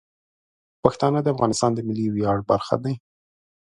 پښتانه د افغانستان د ملي ویاړ برخه دي.